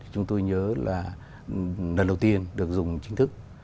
chúng tôi nhớ là lần đầu tiên được dùng chính thức